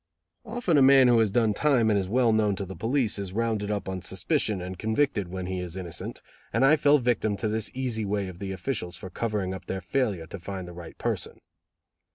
Often a man who has done time and is well known to the police is rounded up on suspicion and convicted when he is innocent, and I fell a victim to this easy way of the officials for covering up their failure to find the right person.